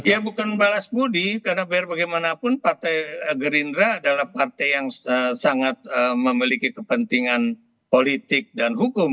ya bukan balas budi karena biar bagaimanapun partai gerindra adalah partai yang sangat memiliki kepentingan politik dan hukum